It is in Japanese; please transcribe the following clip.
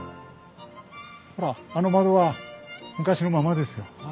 ほらあの窓は昔のままですよ。